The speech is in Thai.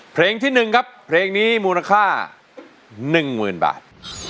เพลงที่หนึ่งครับเพลงนี้มูลค่าหนึ่งหมื่นบาท